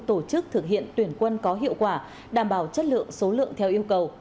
tổ chức thực hiện tuyển quân có hiệu quả đảm bảo chất lượng số lượng theo yêu cầu